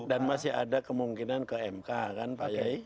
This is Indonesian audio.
dan masih ada kemungkinan ke mk kan pak yayi